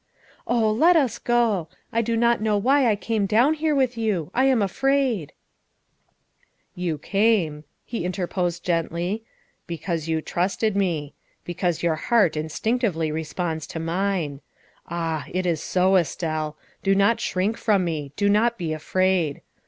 Oh, let us go. I do not know why I came down here with you. I am afraid." 20 306 THE WIFE OF " You came," he interposed gently, " because you trusted me because your heart instinctively responds to mine. Ah, it is so, Estelle. Do not shrink from me ; do not be afraid.